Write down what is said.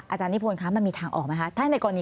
อาจารย์นิโภนมันมีทางออกไหมคะ